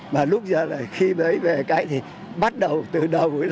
mà lúc giờ là khi mới về cái thì bắt đầu từ đầu